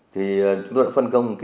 thì chúng tôi đã phân công